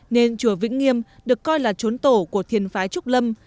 nên chùa vĩnh nghiêm được coi là trốn tổ của thiền phái trúc lâm